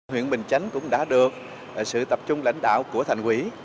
huyện bình chánh cũng đã được sự tập trung lãnh đạo của thành quỹ